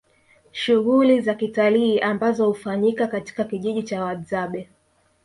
Shughuli za kitalii ambazo hufanyika katika kijiji cha Wahadzabe